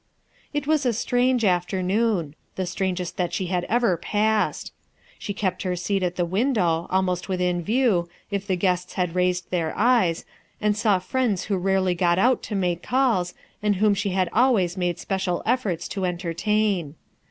It was a strange afternoon, the strangest that she had ever passed. She kept her seat at the window, almost within view, if the gueats had raised their eyes, and saw friends who rarely e ot out to make calls, and whom she had always made special efforts to entertain.